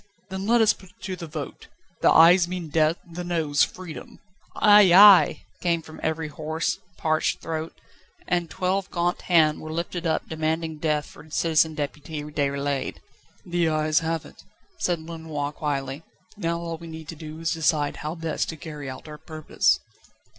"Then let us put it to the vote. The Ayes mean death, the Noes freedom." "Ay, ay!" came from every hoarse, parched throat; and twelve gaunt hands were lifted up demanding death for Citizen Deputy Déroulède. "The Ayes have it," said Lenoir quietly, "Now all we need do is to decide how best to carry out our purpose."